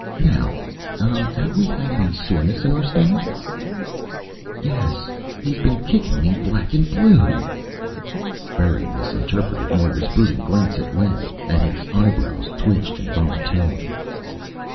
"Now. Have we had any soreness in our stomach?" "Yes. He's been kicking me black and blue." Berry misinterpreted Moira's brooding glance at Len, and his eyebrows twitched involuntarily.